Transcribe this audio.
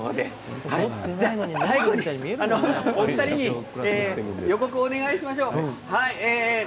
最後にお二人に予告をお願いします。